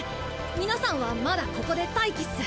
皆さんはまだここで待機っす。